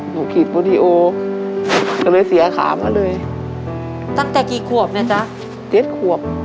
ขีดโปรดิโอก็เลยเสียขามาเลยตั้งแต่กี่ขวบนะจ๊ะเจ็ดขวบ